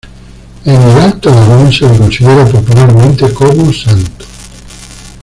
En el Alto Aragón se le considera popularmente como santo.